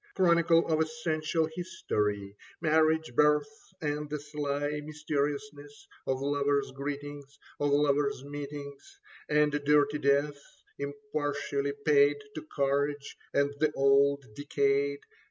Chronicle of essential history : Marriage, birth, and the sly mysteriousness Of lovers' greetings, of lovers' meetings. And dirty death, impartially paid To courage and the old decayed.